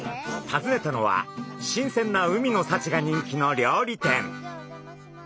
訪ねたのはしんせんな海のさちが人気の料理店。